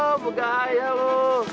oh buka aja lu